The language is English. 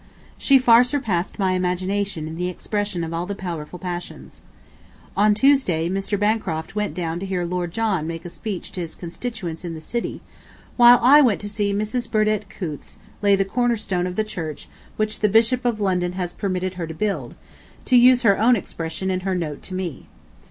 She far surpassed my imagination in the expression of all the powerful passions. ... On Tuesday Mr. Bancroft went down to hear Lord John make a speech to his constituents in the city, while I went to see Miss Burdett Coutts lay the corner stone of the church which "the Bishop of London has permitted her to build," to use her own expression in her note to me.